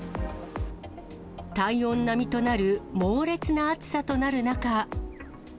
体温並みとなる猛烈な暑さとなる中。